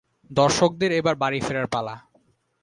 দর্শকদের এবার বাড়ি ফেরার পালা।